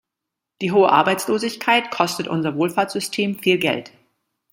Die hohe Arbeitslosigkeit kostet unser Wohlfahrtssystem viel Geld.